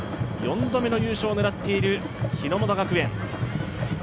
４度目の優勝を狙っている日ノ本学園。